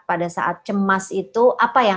pada saat cemas itu apa yang